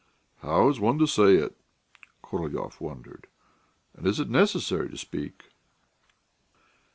"How is one to say it?" Korolyov wondered. "And is it necessary to speak?"